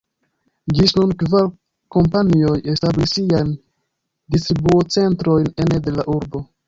Ĝis nun kvar kompanioj establis siajn distribuocentrojn ene de la urbo.